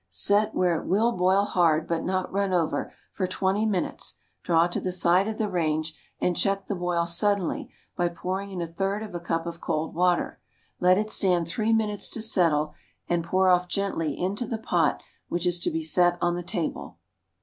Set where it will boil hard, but not run over, for twenty minutes, draw to the side of the range and check the boil suddenly by pouring in a third of a cup of cold water. Let it stand three minutes to settle, and pour off gently into the pot which is to be set on the table.